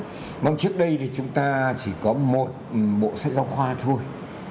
mong trước đây thì chúng ta chỉ có một bộ sách giáo khoa thôi